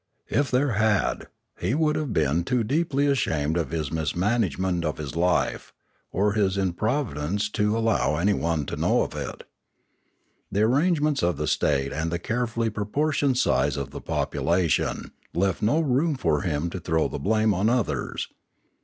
If there had, he would have been too deeply ashamed of his mismanagement of his life, or his improvidence, to allow anyone to know of it. The arrangements of the state and the carefully proportioned size of the popu lation left no room for him to throw the blame on others.